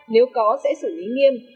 nếu có sẽ xử lý nghiêm